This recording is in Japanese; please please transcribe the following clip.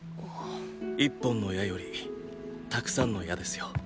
一本の矢よりたくさんの矢ですよ。